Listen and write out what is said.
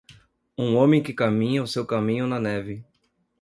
Um homem que caminha o seu caminho na neve.